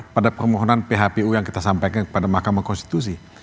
pada permohonan phpu yang kita sampaikan kepada mahkamah konstitusi